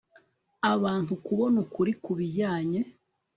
abantu kubona ukuri ku bijyanye